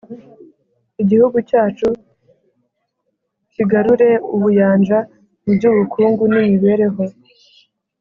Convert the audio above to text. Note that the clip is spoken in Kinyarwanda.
igihugu cyacu kigarure ubuyanja mu by'ubukungu n'imibereho